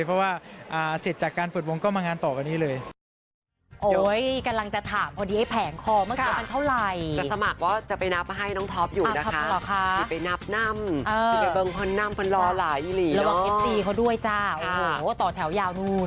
เพราะว่าเสร็จจากการเปิดวงก็มางานต่อวันนี้เลย